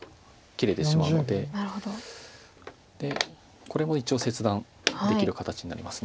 これも一応切断できる形になります。